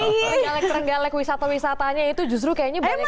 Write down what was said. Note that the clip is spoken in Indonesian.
tenggalek terenggalek wisata wisatanya itu justru kayaknya banyak yang